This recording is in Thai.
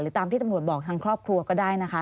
หรือตามที่ตำรวจบอกทางครอบครัวก็ได้